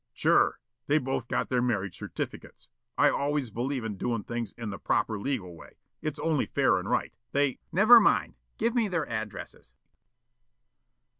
"Sure. They both got their marriage certificates. I always believe in doin' things in the proper legal way. It's only fair and right. They " "Never mind. Give me their addresses."